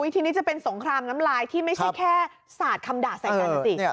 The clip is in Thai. ทีนี้จะเป็นสงครามน้ำลายที่ไม่ใช่แค่สาดคำด่าใส่กันนะสิ